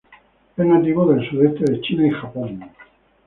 Es nativo del sudeste de China y Japón.